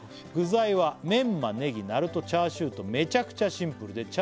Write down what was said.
「具材はメンマネギなるとチャーシューとメチャクチャシンプルで」